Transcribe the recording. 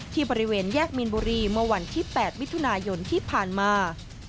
บริเวณแยกมีนบุรีเมื่อวันที่๘มิถุนายนที่ผ่านมา